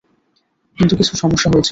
কিন্তু কিছু সমস্যা হয়েছিলো।